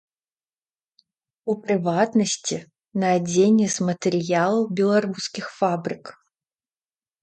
У прыватнасці, на адзенне з матэрыялаў беларускіх фабрык.